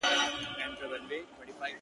سپرلي راځي او ځي خو ته رانه غلې